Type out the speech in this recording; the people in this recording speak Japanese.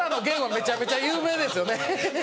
めちゃめちゃ有名です。